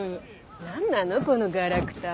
何なのこのガラクタ。